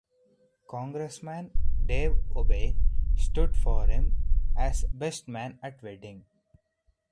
Congressman Dave Obey stood for him as best man at the wedding.